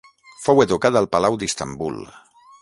Fou educat al palau d'Istanbul.